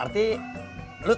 kau ses despair warna warah